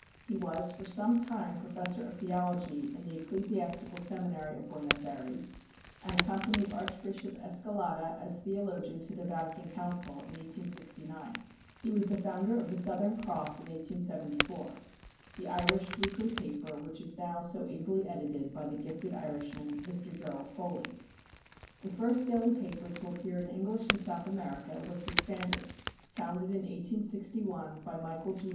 He was for some time professor of theology in the ecclesiastical seminary of Buenos Ayres, and accompanied Archbishop Escalada as theologian to the Vatican Council in 1869. He was the founder of the Southern Cross in 1874, the Irish weekly paper which is now so ably edited by the gifted Irishman, Mr. Gerald Foley. The first daily paper to appear in English in South America was the Standard, founded in 1861 by Michael G.